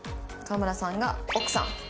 河村さんが奥さん。